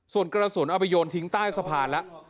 ส่วนกระสุนเอาไปโยนทิ้งใต้สะพานแล้ว